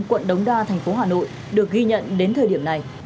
quận đống đa tp hà nội được ghi nhận đến thời điểm này